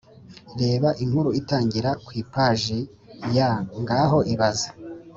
Reba inkuru itangira ku ipaji ya Ngaho ibaze